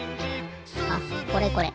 あこれこれ。